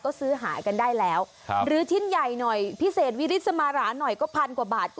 ก็ซื้อหายกันได้แล้วหรือชิ้นใหญ่หน่อยพิเศษวิริสมาราหน่อยก็พันกว่าบาท